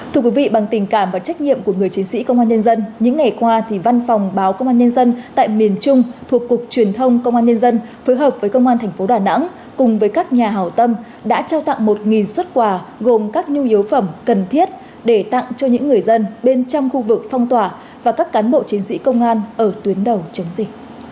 thưa quý vị bằng tình cảm và trách nhiệm của người chiến sĩ công an nhân dân những ngày qua thì văn phòng báo công an nhân dân tại miền trung thuộc cục truyền thông công an nhân dân phối hợp với công an tp đà nẵng cùng với các nhà hào tâm đã trao tặng một xuất quà gồm các nhu yếu phẩm cần thiết để tặng cho những người dân bên trong khu vực phong tỏa và các cán bộ chiến sĩ công an ở tuyến đầu chứng gì